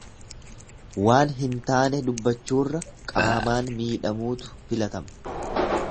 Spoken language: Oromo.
Waan hin taane dubbachuurra qaamaan miidhamuutu filatama.